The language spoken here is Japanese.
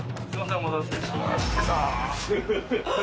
お待たせしました。